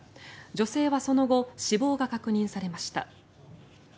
女性はその後死亡が確認されました。